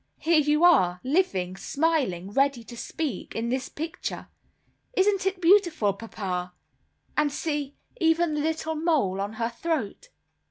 Here you are, living, smiling, ready to speak, in this picture. Isn't it beautiful, Papa? And see, even the little mole on her throat."